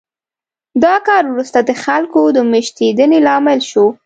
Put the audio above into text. دا کار وروسته د خلکو د مېشتېدنې لامل شو